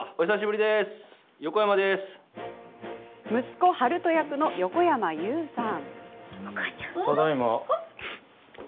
息子・悠人役の横山裕さん。